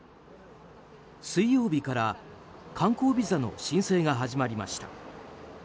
水曜日から観光ビザの申請が始まりました。